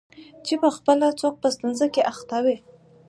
چي پخپله څوک په ستونزه کي اخته وي